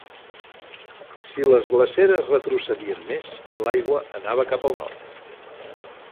Si les glaceres retrocedien més, l'aigua anava cap al nord.